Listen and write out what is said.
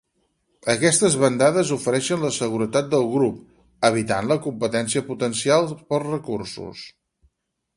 Aquestes bandades ofereixen la seguretat del grup, evitant la competència potencial pels recursos.